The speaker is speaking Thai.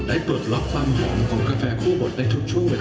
ได้เปิดล็อคความหอมของกาแฟคู่บดได้ทุกช่วงเวลา